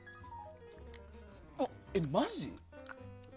えっ、マジ？